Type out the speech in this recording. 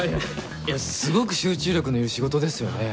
いやすごく集中力のいる仕事ですよね。